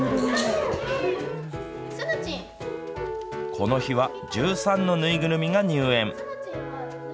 この日は１３の縫いぐるみが入園。